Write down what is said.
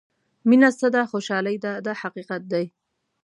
مینه څه ده خوشالۍ ده دا حقیقت دی.